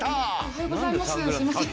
おはようございます。